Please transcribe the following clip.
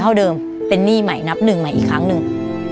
เท่าเดิมเป็นหนี้ใหม่นับหนึ่งใหม่อีกครั้งหนึ่ง